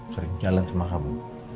sering jalan sama kamu